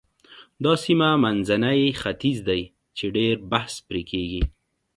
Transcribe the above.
دا سیمه منځنی ختیځ دی چې ډېر بحث پرې کېږي.